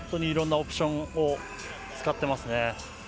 いろんなオプションを使っていますね。